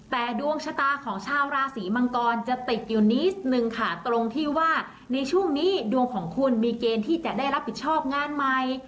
แต่ดวงชะตาของชาวราศีมังกรจะติดอยู่นิดนึงค่ะตรงที่ว่าในช่วงนี้ดวงของคุณมีเกณฑ์ที่จะได้รับผิดชอบงานใหม่